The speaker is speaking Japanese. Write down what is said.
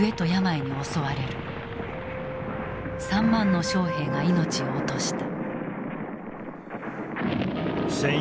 ３万の将兵が命を落とした。